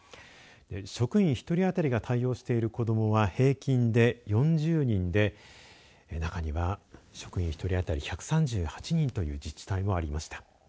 職員１人当たりが対応している子どもは平均で４０人で中には職員１人当たり１３８人という自治体もありました。